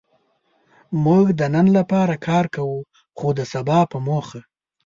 موږ د نن لپاره کار کوو؛ خو د سبا په موخه.